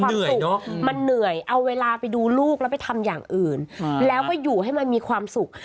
มันเหนื่อยเอาเวลาไปดูลูกแล้วไปทำอย่างอื่นแล้วก็อยู่ให้มันมีความสุข